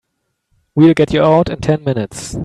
We'll get you out in ten minutes.